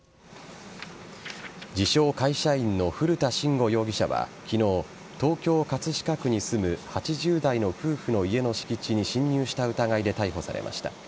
自称会社員の古田真伍容疑者は昨日、東京・葛飾区に住む８０代の夫婦の家の敷地に侵入した疑いで逮捕されました。